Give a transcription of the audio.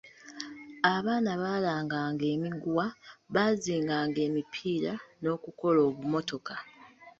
Abaana baalanganga emiguwa, baazinganga emipiira n'okukola obumotoka.